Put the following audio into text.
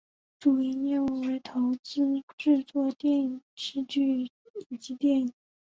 主营业务为投资制作电视剧以及电影。